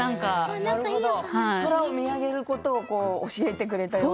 空を見上げることを教えてくれたような。